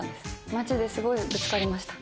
街ですごいぶつかりました。